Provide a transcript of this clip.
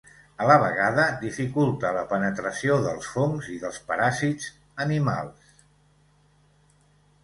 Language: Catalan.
A la vegada dificulta la penetració dels fongs i dels paràsits animals.